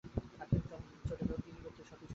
আপনি যখন খুব ছোট, তখন কী কী করতেন সব আমি বলতে পারব।